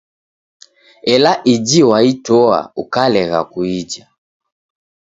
Ela iji waitoa, ukalegha kuija.